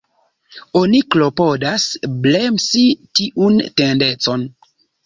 Oni klopodas bremsi tiun tendencon.